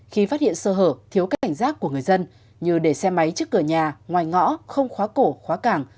khi phát hiện sơ hở thiếu cảnh giác của người dân như để xe máy trước cửa nhà ngoài ngõ không khóa cổ khóa cảng